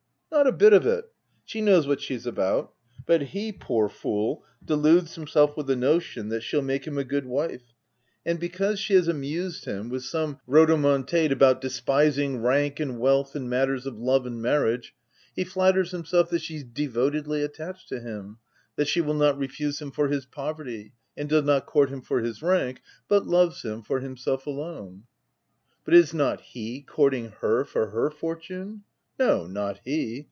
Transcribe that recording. " Not a bit of it. She knows what she's about; but he, poor fool, deludes himself with the notion that shell make him a good wife, and because she has amused him with some 32 THE TENANT rodomontade about despising rank and wealth in matters of love and marriage, he flatters himself that she's devotedly attached to him ; that she will not refuse him for his poverty, and does not court him for his rank, but loves him for himself alone/* "But is not he courting her for her fortune ?"" No, not he.